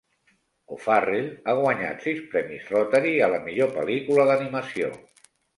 O'Farrell ha guanyat sis premis Rotary a la millor pel·lícula d"animació.